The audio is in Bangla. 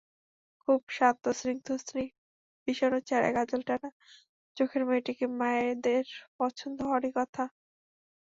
খুব শান্ত স্নিগ্ধশ্রী বিষণ্ন চেহারায় কাজলটানা চোখের মেয়েটিকে মায়েদের পছন্দ হওয়ারই কথা।